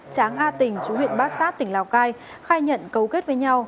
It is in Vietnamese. tráng a tỉnh chú huyện bát sát tỉnh lào cai khai nhận cấu kết với nhau